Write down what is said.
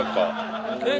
えっ！？